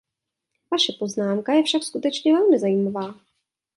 Vaše poznámka je však skutečně velmi zajímavá.